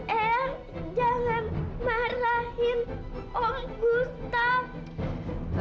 eh jangan marahin oh gustaf